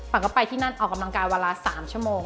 ก็ไปที่นั่นออกกำลังกายเวลา๓ชั่วโมง